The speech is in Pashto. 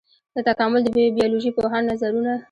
د تکامل د بيولوژي پوهانو نظرونه.